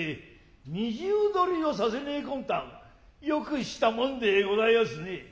二重取りをさせねえ魂胆よくしたもんでございやすね。